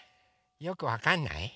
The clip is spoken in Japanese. よくわかんない？